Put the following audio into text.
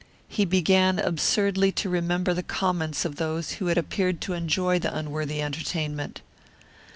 He began absurdly to remember the comments of those who had appeared to enjoy the unworthy entertainment.